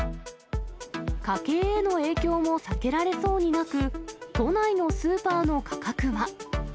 家計への影響も避けられそうになく、都内のスーパーの価格は。